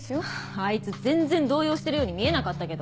あいつ全然動揺してるように見えなかったけど。